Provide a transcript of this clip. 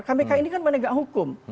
kpk ini kan penegak hukum